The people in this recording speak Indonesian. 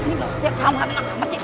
ini gak usah tiap kamar